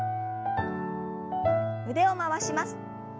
腕を回します。